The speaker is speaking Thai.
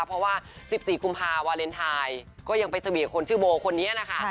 เพราะว่า๑๔กุมภาวาเลนไทยก็ยังไปเสบียคนชื่อโบคนนี้นะคะ